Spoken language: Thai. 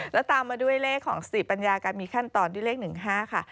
แล้วตามมาด้วยเลขของสติปัญญาการมีขั้นตอนด้วยเลข๑๕ค่ะ